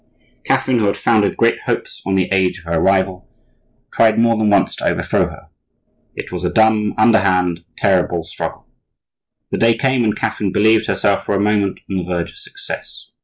Catherine, who had founded great hopes on the age of her rival, tried more than once to overthrow her. It was a dumb, underhand, terrible struggle. The day came when Catherine believed herself for a moment on the verge of success.